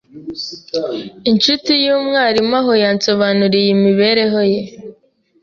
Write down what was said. inshuti y’umwarimu aho yansobanuriye imibereho ye,